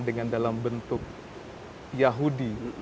dengan dalam bentuk yahudi